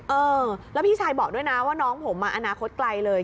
เออแล้วพี่ชายบอกด้วยนะว่าน้องผมมาอนาคตไกลเลย